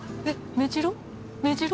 メジロ？